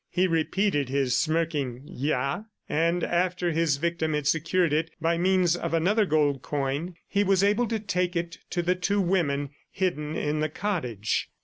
He repeated his smirking "Ya?" ... and after his victim had secured it by means of another gold coin, he was able to take it to the two women hidden in the cottage.